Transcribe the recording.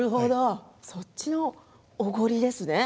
そっちのおごりですね。